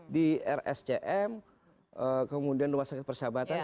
di rscm kemudian rumah sakit persahabatan